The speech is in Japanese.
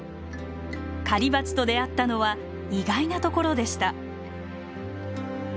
狩りバチと出会ったのは意外な所でした。